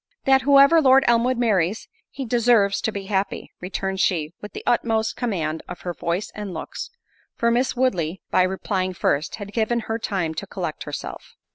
"That whoever Lord Elmwood marries, he deserves to be happy:" returned she, with the utmost command of her voice and looks; for Miss Woodley, by replying first, had given her time to collect herself.